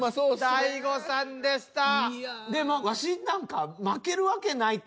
大悟さんでした。